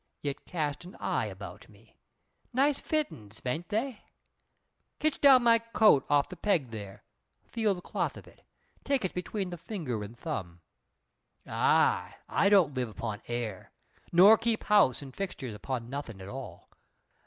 Yet cast an eye about ye. Nice fittin's, ben't they? Hitch down my coat off the peg there; feel the cloth of it; take it between finger and thumb. Ay, I don't live upon air, nor keep house an' fixtures upon nothin' at all.